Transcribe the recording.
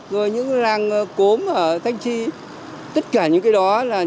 rồi những làng cốm ở thanh chi tất cả những cái đó là